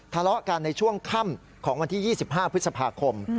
ทะเลาะกันในช่วงค่ำของวันที่๒๕พฤษภาคม